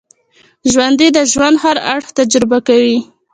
ژوندي د ژوند هر اړخ تجربه کوي